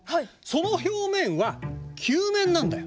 その表面は球面なんだよ。